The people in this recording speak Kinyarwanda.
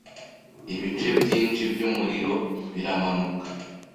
Ibice byinshi byumuriro biramanuka